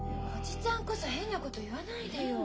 叔父ちゃんこそ変なこと言わないでよ。